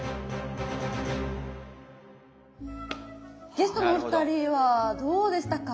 ゲストのお二人はどうでしたか？